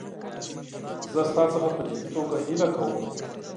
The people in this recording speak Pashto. زه ستا څخه په جدي توګه هیله کوم.